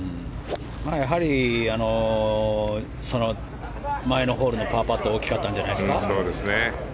やはり前のホールのパーパットが大きかったんじゃないですか。